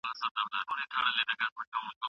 که ته غواړې چې زما کیسه واورې نو کښېنه.